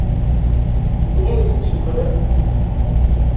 Tuɣalemt d timexlal?